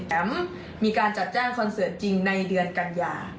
มีการจัดแจ้งคอนเสิร์ตจริงในเดือนกันยา